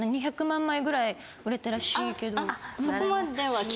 ２００万枚ぐらい売れたらしいけど。